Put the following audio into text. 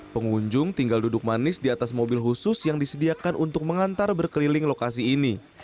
pengunjung tinggal duduk manis di atas mobil khusus yang disediakan untuk mengantar berkeliling lokasi ini